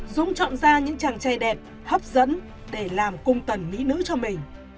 dũng chọn ra những chàng trai đẹp hấp dẫn để làm cung tần mỹ nữ cho mình